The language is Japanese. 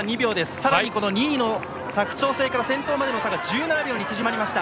さらに２位の佐久長聖から先頭までの差が１７秒に縮まりました。